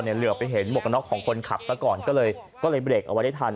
เหลือไปเห็นหมวกกระน็อกของคนขับซะก่อนก็เลยเบรกเอาไว้ได้ทัน